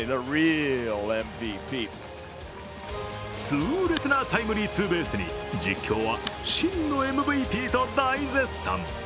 痛烈なタイムリーツーベースに真のＭＶＰと大絶賛。